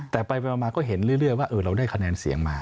แต่ไปมาก็เห็นเรื่อยว่าเราได้คะแนนเสียงมา